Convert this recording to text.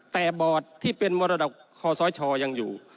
แต่บอร์ดที่เป็นมรดกคอสชยังอยู่